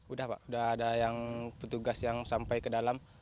udah pak udah ada yang petugas yang sampai ke dalam